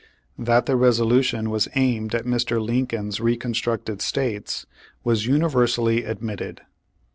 That the resolution was aimed at Mr. Lincoln's reconstructed states, was universally admitted.